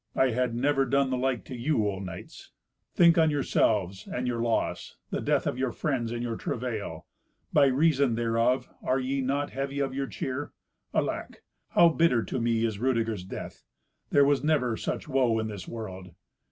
I had never done the like to you, O knights. Think on yourselves and your loss—the death of your friends, and your travail. By reason thereof are ye not heavy of your cheer? Alack! how bitter to me is Rudeger's death! There was never such woe in this world.